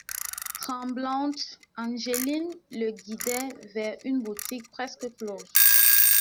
Tremblante, Angeline le guidait vers une boutique presque close.